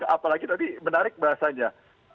apalagi tadi menarik bahasanya